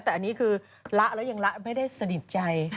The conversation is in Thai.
แต่อันนี้คือละแล้วยังละไม่ได้สนิทใจ